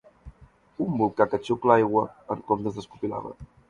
Un volcà que xucla aigua en comptes d'escopir lava.